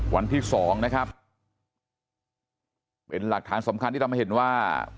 วันที่สองนะครับเป็นหลักฐานสำคัญที่ทำให้เห็นว่า